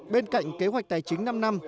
bên cạnh kế hoạch tài chính năm năm